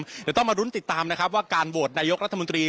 เดี๋ยวต้องมารุ้นติดตามนะครับว่าการโหวตนายกรัฐมนตรี